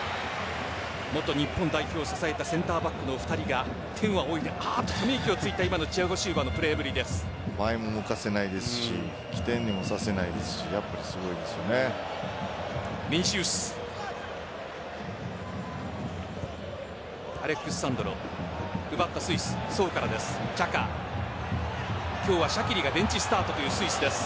元日本代表を支えたセンターバックの２人が天を仰いであーっとため息をついたチアゴ・シウバのプレーぶりです。